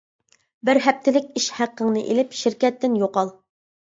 بىر ھەپتىلىك ئىش ھەققىڭنى ئىلىپ شىركەتتىن يوقال!